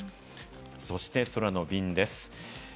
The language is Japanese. そして空の便です。